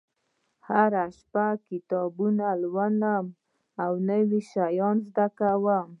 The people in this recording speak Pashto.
زه هره شپه کتابونه لولم او نوي شیان زده کوم